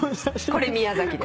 これ宮崎です。